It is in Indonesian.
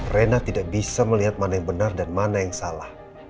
rena tidak bisa melihat mana yang benar dan mana yang salah